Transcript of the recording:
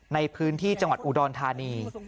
ในพื้นที่จังหวัดอุดรธานี